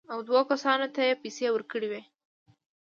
او دوو کسانو ته یې پېسې ورکړې وې.